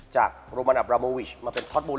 จากโรบันอับราโมวิสมาเป็นทอตบอลลี่